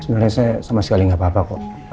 sebenernya saya sama sekali gak apa apa kok